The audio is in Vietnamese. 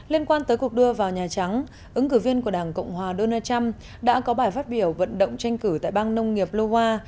liên quan tới cuộc đua vào nhà trắng ứng cử viên của đảng cộng hòa donald trump đã có bài phát biểu vận động tranh cử tại bang nông nghiệp logua